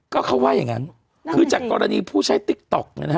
ก็เขาว่าอย่างงั้นคือจากกรณีผู้ใช้ติ๊กต๊อกเนี่ยนะฮะ